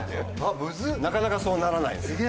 なかなかそうならないんですよ。